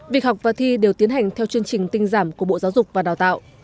việc học và thi đều tiến hành theo chương trình tinh giảm của bộ giáo dục và đào tạo